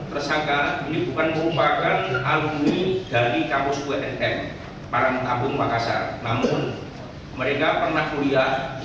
keseluruhan tersangka ini bukan merupakan aluni dari kampus unm parangtabung makassar